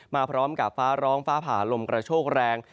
มาพร้อมกับฟ้าร้องฟ้าผ่าลมกระโชกแรง